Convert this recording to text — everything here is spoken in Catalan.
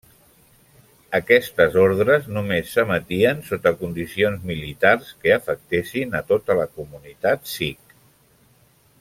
Aquestes ordres només s'emetien sota condicions militars que afectessin a tota la comunitat sikh.